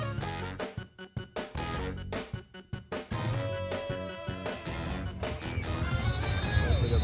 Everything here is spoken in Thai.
อ้าว